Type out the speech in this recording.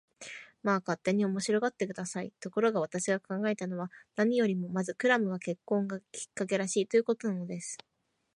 まあ、勝手に面白がって下さい。ところが、私が考えたのは、何よりもまずクラムが結婚のきっかけらしい、ということなんです。